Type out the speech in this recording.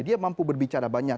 dia mampu berbicara banyak